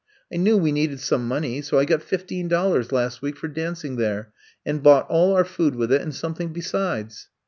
I knew we needed some money so I got fif teen dollars last week for dancing there, and bought all our food with it and some thing besides."